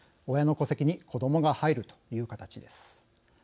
親の戸籍に子どもが入るという形です。